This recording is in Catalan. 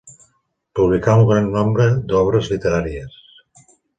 Publicà un gran nombre d'obres literàries.